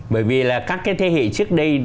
bởi vì là các cái thế hệ trước đây